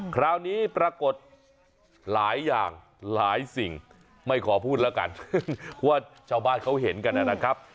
คราวนี้ปรากฏหลายอย่างหลายสิ่งไม่ขอพูดแล้วกันว่าชาวบ้านเขาเห็นกันนะครับ